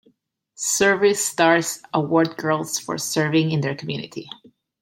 Service stars award girls for serving in their community.